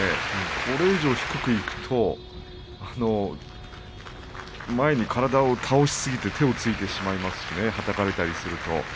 これ以上低くいくと前に体を倒しすぎて手をついてしまいますしねはたかれたりすると。